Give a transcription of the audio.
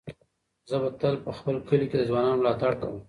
زه به تل په خپل کلي کې د ځوانانو ملاتړ کوم.